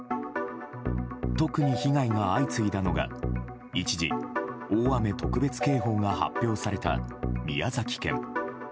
特に被害が相次いだのが一時、大雨特別警報が発表された宮崎県。